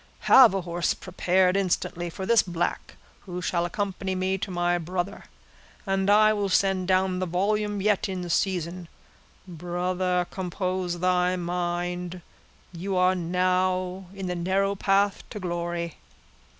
Have a horse prepared instantly for this black, who shall accompany me to my brother—, and I will send down the volume yet in season. Brother, compose thy mind; you are now in the narrow path to glory."